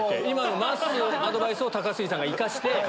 今のまっすーのアドバイスを高杉さんが生かして。